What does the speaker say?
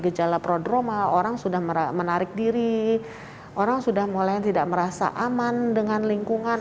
gejala prodroma orang sudah menarik diri orang sudah mulai tidak merasa aman dengan lingkungan